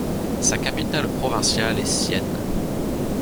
Sa capitale provinciale est Sienne.